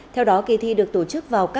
theo đó kỳ thi được tổ chức vào các